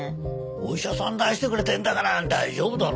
お医者さん出してくれてんだから大丈夫だろ。